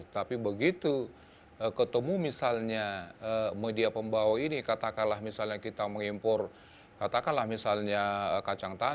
tapi begitu ketemu misalnya media pembawa ini katakanlah misalnya kita mengimpor katakanlah misalnya kacang tanah